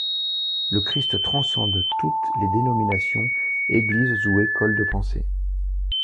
Le Christ transcende toutes les dénominations, églises ou écoles de pensée.